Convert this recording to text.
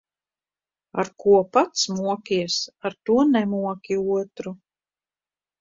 Ar ko pats mokies, ar to nemoki otru.